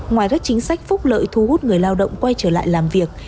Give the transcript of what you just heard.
ngoài các chính sách phúc lợi thu hút người lao động quay trở lại làm việc